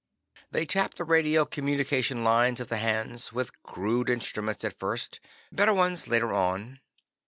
They tapped the radio communication lines of the Hans, with crude instruments at first; better ones later on.